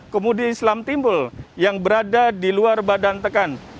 kemudian selam timbul yang berada di luar badan tekan